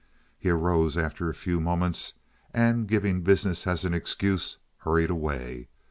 He arose after a few moments and, giving business as an excuse, hurried away.